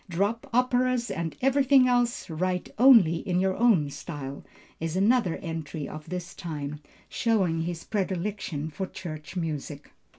"Drop operas and everything else, write only in your own style," is another entry of this time, showing his predilection for church music.